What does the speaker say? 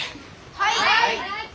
はい！